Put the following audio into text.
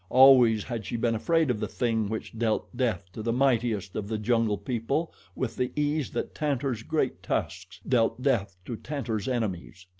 Always had she been afraid of the thing which dealt death to the mightiest of the jungle people with the ease that Tantor's great tusks deal death to Tantor's enemies.